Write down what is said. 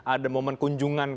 ada momen kunjungan